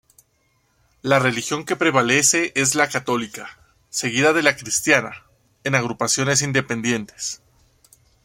La religión que prevalece es la católica, seguida de la "cristiana", en agrupaciones independientes.